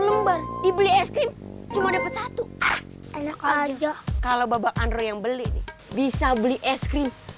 lembar dibeli es krim cuma dapat satu enak aja kalau babak androi yang beli nih bisa beli es krim